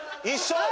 一緒！